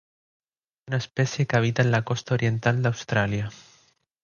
Es una especie que habita en la costa oriental de Australia.